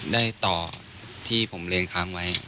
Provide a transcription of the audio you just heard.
ได้ต่อที่ผมเลนค้างไว้